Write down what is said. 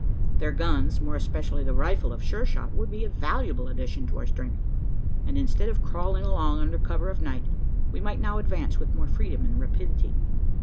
Their guns more especially the rifle of Sure shot would be a valuable addition to our strength; and, instead of crawling along under the cover of night, we might now advance with more freedom and rapidity.